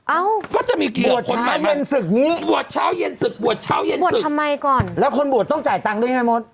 เอ้าบวชเช้าเย็นศึกนี้บวชเช้าเย็นศึกบวชเช้าเย็นศึกแล้วคนบวชต้องจ่ายตังด้วยไหมโมส